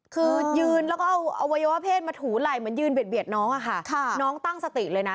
คือยืนแล้วก็เอาอวัยวะเพศมาถูไหล่เหมือนยืนเบียดน้องอะค่ะน้องตั้งสติเลยนะ